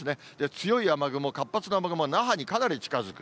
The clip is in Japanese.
強い雨雲、活発な雨雲は那覇にかなり近づく。